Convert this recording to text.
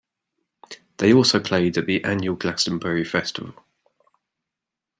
They also played at the annual Glastonbury Festival.